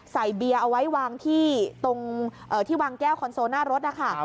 เบียร์เอาไว้วางที่ตรงที่วางแก้วคอนโซลหน้ารถนะคะ